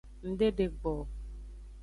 Ng de degbo o.